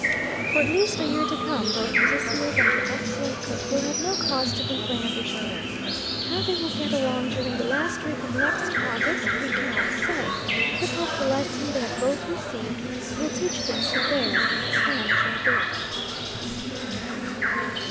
For at least a year to come, both Mrs. Smith and her excellent cook will have no cause to complain of each other. How they will get along during the last week of next August, we cannot say, but hope the lesson they have both received will teach them to bear and forbear.